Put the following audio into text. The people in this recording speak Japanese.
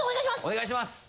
・お願いします